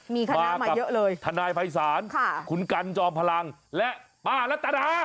มีคณะมาเยอะเลยมากับทนายภัยศาลคุณกัญจอมพลังและป้าลัตตานา